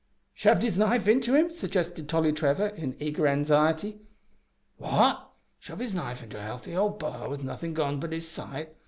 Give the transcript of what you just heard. "Shoved his knife into him," suggested Tolly Trevor, in eager anxiety. "What! shove his knife into a healthy old b'ar with nothin' gone but his sight?